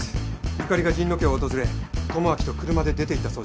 由香里が神野家を訪れ智明と車で出て行ったそうです。